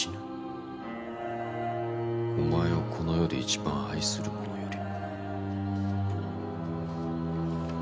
「お前をこの世で一番愛する者より」